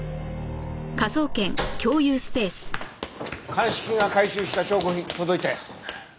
鑑識が回収した証拠品届いたよ。